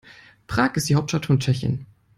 Prag ist die Hauptstadt von Tschechien.